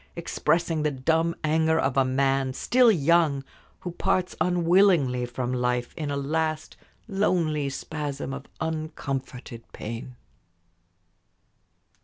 expressing the dumb anger of a man, still young, who parts unwillingly from life in a last lonely spasm of uncomforted pain.